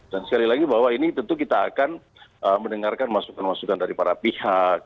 dan sekali lagi bahwa ini tentu kita akan mendengarkan masukan masukan dari para pihak